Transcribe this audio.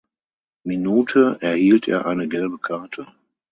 Minute erhielt er eine gelbe Karte.